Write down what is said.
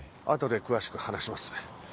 後で詳しく話します。